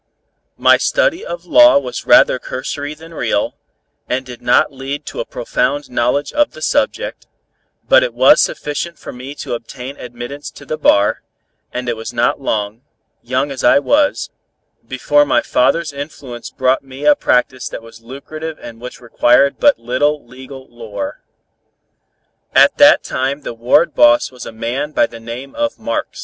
My study of law was rather cursory than real, and did not lead to a profound knowledge of the subject, but it was sufficient for me to obtain admittance to the bar, and it was not long, young as I was, before my father's influence brought me a practice that was lucrative and which required but little legal lore. At that time the ward boss was a man by the name of Marx.